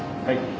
はい。